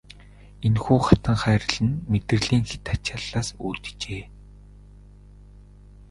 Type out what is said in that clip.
Энэхүү хатанхайрал нь мэдрэлийн хэт ачааллаас үүджээ.